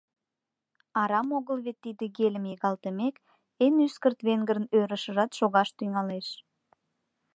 Арам огыл вет тиде гельым йыгалтымек, эн ӱскырт венгрын ӧрышыжат шогаш тӱҥалеш.